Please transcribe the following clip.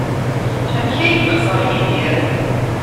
Amek ay yexṣer Yidir?